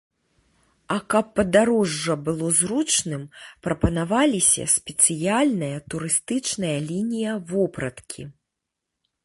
А каб падарожжа было зручным, прапанаваліся спецыяльная турыстычная лінія вопраткі.